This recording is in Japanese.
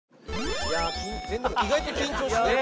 意外と緊張しない。